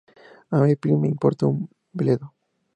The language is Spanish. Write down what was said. ¡A mí, plin! Me importa un bledo